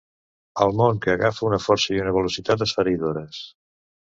El món que agafa una força i una velocitat esfereïdores.